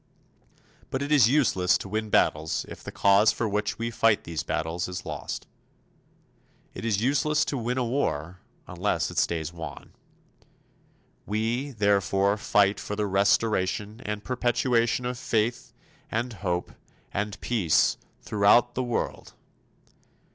But it is useless to win battles if the cause for which we fight these battles is lost. It is useless to win a war unless it stays won. We, therefore, fight for the restoration and perpetuation of faith and hope and peace throughout the world.